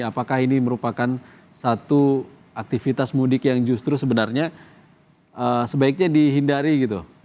apakah ini merupakan satu aktivitas mudik yang justru sebenarnya sebaiknya dihindari gitu